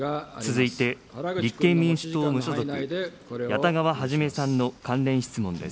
続いて立憲民主党・無所属、谷田川元さんの関連質問です。